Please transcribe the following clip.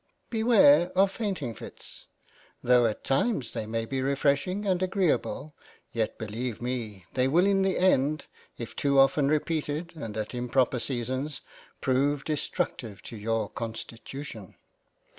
" Beware of fainting fits ... though at times they may be refreshing and agreable yet beleive me they will in the end, if too often repeated and at improper seasons, prove destructive to your Constitution."